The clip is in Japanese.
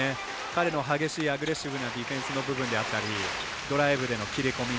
彼の激しいアグレッシブなディフェンスの部分ドライブでの切り込み